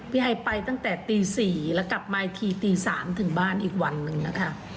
ไอไปตั้งแต่ตี๔แล้วกลับมาอีกทีตี๓ถึงบ้านอีกวันหนึ่งนะคะ